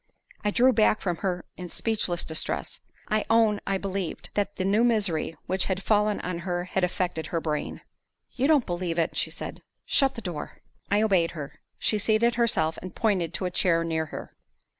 I drew back from her in speechless distress. I own I believed that the new misery which had fallen on her had affected her brain. "You don't believe it," she said. "Shut the door." I obeyed her. She seated herself, and pointed to a chair near her.